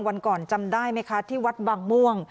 วันก่อนจำได้ไหมคะที่วัดบางม่วง